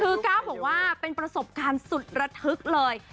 คือก้าวบอกว่าเป็นประสบการณ์สุดระทึกเลย